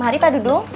mari pak dudung